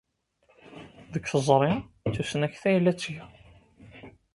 Deg teẓri, d tusnakt ay la ttgeɣ.